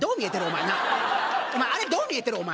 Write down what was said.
お前なお前あれどう見えてる？